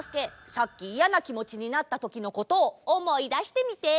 さっきいやなきもちになったときのことをおもいだしてみて！